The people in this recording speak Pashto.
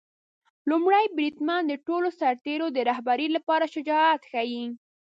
لومړی بریدمن د ټولو سرتیرو د رهبری لپاره شجاعت ښيي.